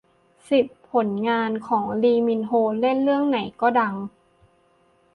สิบ ผลงานของ ลีมินโฮ เล่นเรื่องไหนก็ดัง